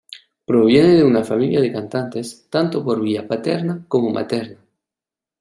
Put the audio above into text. Proviene de una familia de cantantes, tanto por vía paterna como materna.